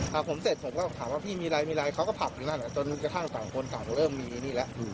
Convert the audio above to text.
ถ้าผมเสร็จผมก็ถามว่าพี่มีอะไรเค้าก็ผับอยู่นั่นจนกระทั่งต่างคนกลับเริ่มมีนี่แล้ว